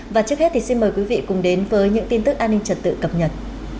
và trước hết thì xin mời quý vị cùng đến với những tin tức an ninh trật tự cập nhật